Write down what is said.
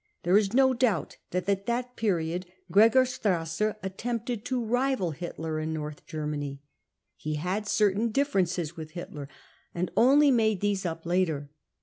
There is no doubt that at that" period Gregor Strasser at • tempted to rival Hitler in North Germany ; he had certain, differences with Hitler, and only made these up later.